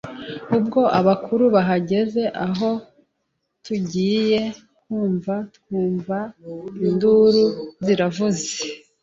ubwo abakuru bahagaze aho tugiye kumva twumva induru ziravuze